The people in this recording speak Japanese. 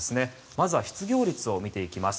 まずは失業率を見ていきます。